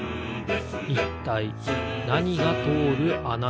いったいなにがとおるあななのか？